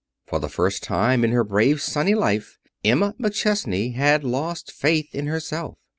For the first time in her brave, sunny life Emma McChesney had lost faith in herself.